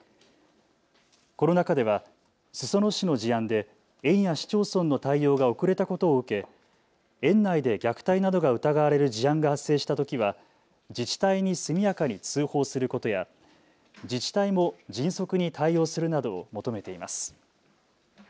この中では裾野市の事案で園や市町村の対応が遅れたことを受け、園内で虐待などが疑われる事案が発生したときは自治体に速やかに通報することや自治体も迅速に対応するなどを求めています。